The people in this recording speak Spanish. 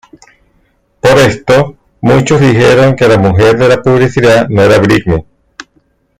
Por esto, muchos dijeron que la mujer de la publicidad no era Britney.